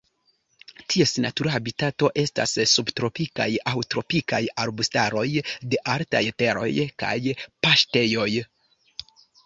Ties natura habitato estas subtropikaj aŭ tropikaj arbustaroj de altaj teroj kaj paŝtejoj.